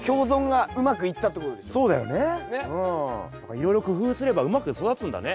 いろいろ工夫すればうまく育つんだね。